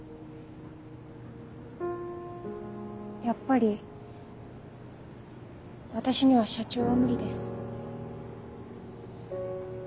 やっぱり私には社長は無理です。